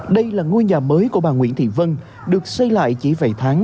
đây là ngôi nhà mới của bà nguyễn thị vân được xây lại chỉ vài tháng